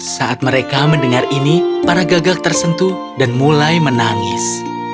saat mereka mendengar ini para gagak tersentuh dan mulai menangis